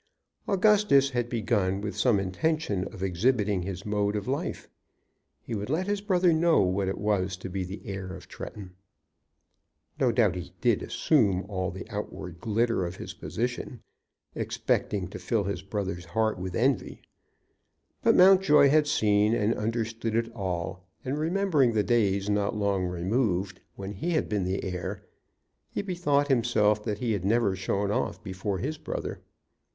Augustus had begun with some intention of exhibiting his mode of life. He would let his brother know what it was to be the heir of Tretton. No doubt he did assume all the outward glitter of his position, expecting to fill his brother's heart with envy. But Mountjoy had seen and understood it all; and remembering the days, not long removed, when he had been the heir, he bethought himself that he had never shown off before his brother.